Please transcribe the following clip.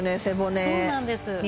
背骨そうなんです